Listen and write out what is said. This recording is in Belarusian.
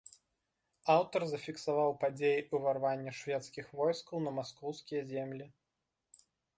Аўтар зафіксаваў падзеі ўварвання шведскіх войскаў на маскоўскія землі.